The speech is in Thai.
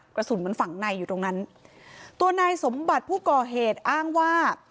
กระสุนมันฝังในอยู่ตรงนั้นตัวนายสมบัติผู้ก่อเหตุอ้างว่า